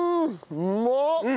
うまっ！